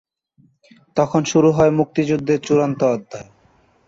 তখন শুরু হয় মুক্তিযুদ্ধের চূড়ান্ত অধ্যায়।